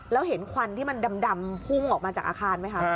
แล้วเห็นควันที่มันดำพุ่งออกมาจากอาคารไหมคะ